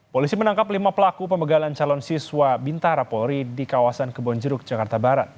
polisi menangkap lima pelaku pembegalan calon siswa bintara polri di kawasan kebonjeruk jakarta barat